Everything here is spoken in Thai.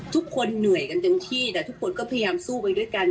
ทุกคนเหนื่อยกันเต็มที่แต่ทุกคนก็พยายามสู้ไปด้วยกัน